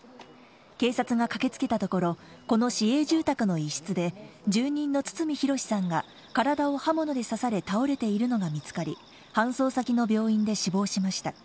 警察が駆けつけたところこの市営住宅の一室で住人の堤浩さんが体を刃物で刺され倒れているのが見つかり、搬送先の病院で死亡しました。